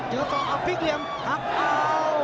ศอกอับพลิกเหลี่ยมหักอ้าว